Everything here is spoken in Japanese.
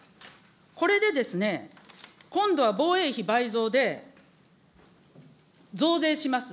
これで、今度は防衛費倍増で増税します。